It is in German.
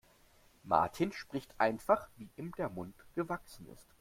Martin spricht einfach, wie ihm der Mund gewachsen ist.